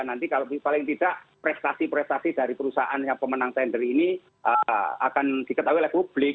nanti kalau paling tidak prestasi prestasi dari perusahaan yang pemenang tender ini akan diketahui oleh publik